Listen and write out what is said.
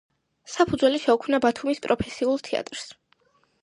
საფუძველი შეუქმნა ბათუმის პროფესიულ თეატრს.